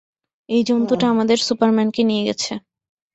এই জন্তুটা আমাদের সুপারম্যানকে নিয়ে গেছে।